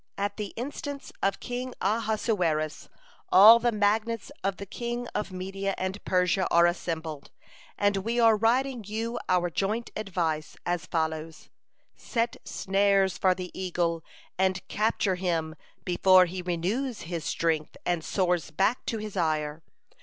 At the instance of King Ahasuerus, all the magnates of the king of Media and Persia are assembled, and we are writing you our joint advice, as follows: 'Set snares for the eagle, and capture him before he renews his strength, and soars back to his eyrie.'